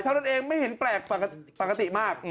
เท่านั้นเองไม่เห็นแปลกปกติมาก